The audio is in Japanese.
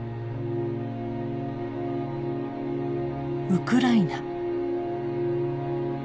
ウクライナ。